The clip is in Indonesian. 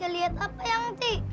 lihat apa yang di